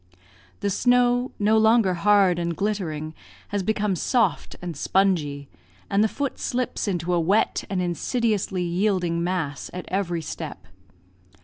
The snow, no longer hard and glittering, has become soft and spongy, and the foot slips into a wet and insidiously yielding mass at every step.